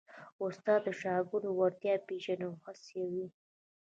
استاد د شاګرد وړتیا پېژني او هڅوي یې.